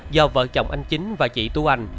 do vợ chồng anh chính và chị tu anh